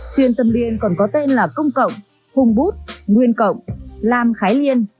xuyên tâm liên còn có tên là công cộng hùng bút nguyên cộng lam khái liên